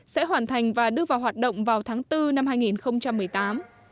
sẽ hoàn thành và đưa vào hoạt động vào tháng bốn năm hai nghìn một mươi tám